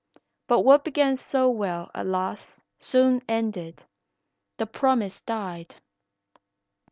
But what began so well alas soon ended , The promise died.